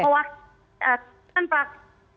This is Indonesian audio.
bawah kan pak